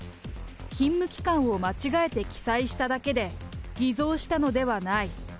勤務期間を間違えて記載しただけで、偽造したのではない。